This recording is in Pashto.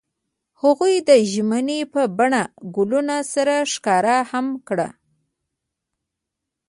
هغوی د ژمنې په بڼه ګلونه سره ښکاره هم کړه.